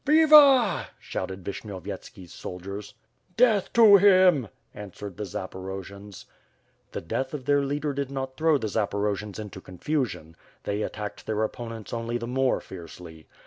"Viva!" shouted Vishnyovyetski's soldiers. "Death to him!" answered the Zaporojians. The death of their leader did not throw the Zaporojians into confusion. They attacked their opponents only the more fiercely.